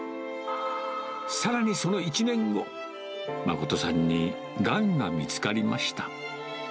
さらにその１年後、誠さんにがんが見つかりました。